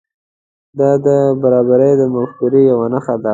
دا د برابري د مفکورې یو نښه ده.